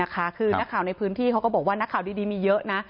ก็บอกว่านักข่าวดีมีเยอะนะ